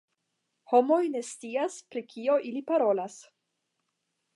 Homoj ne scias pri kio ili parolas.